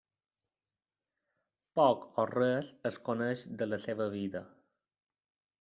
Poc o res es coneix de la seva vida.